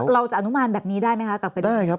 เราจะอนุมานแบบนี้ได้ไหม